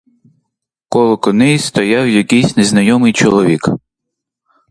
Коло коней стояв якийсь незнайомий чоловік.